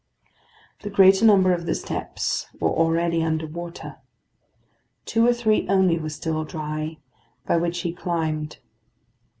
The greater number of the steps were already under water. Two or three only were still dry, by which he climbed.